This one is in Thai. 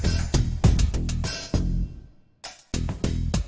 เมื่อกี้ก็ไม่มีเมื่อกี้